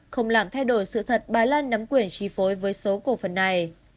không làm thay đổi sự thật bà lan nắm quyền tri phối với số cầu phần này